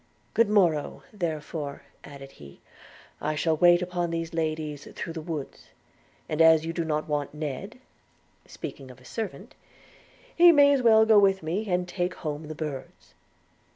'Good morrow, therefore,' added he, 'I shall wait upon these ladies through the woods; and as you do not want Ned (speaking of his servant), he may as well go with me and take home the birds.'